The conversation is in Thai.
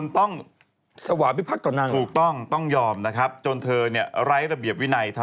ถูกต้องต้องยอมนะครับ